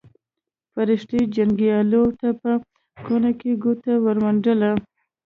فرښتې جنګیالیو ته په کونه کې ګوتې ورمنډي.